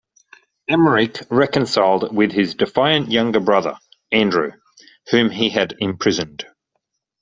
Emeric reconciled with his defiant younger brother, Andrew, whom he had imprisoned.